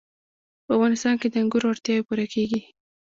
په افغانستان کې د انګورو اړتیاوې پوره کېږي.